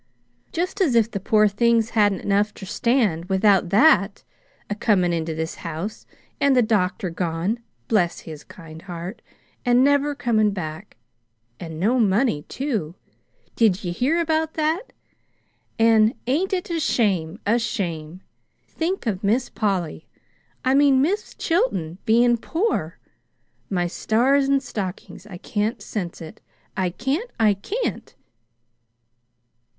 Just as if the poor things hadn't enough ter stand without that a comin' into this house an' the doctor gone bless his kind heart! an' never comin' back. An' no money, too. Did ye hear about that? An' ain't it a shame, a shame! Think of Miss Polly I mean, Mis' Chilton bein' poor! My stars and stockings, I can't sense it I can't, I can't!"